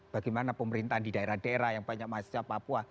bagaimana pemerintahan di daerah daerah yang banyak mahasiswa papua